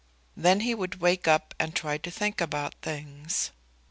Then he would wake up and try to think about things.